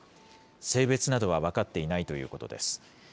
性別などは分かっていないということです。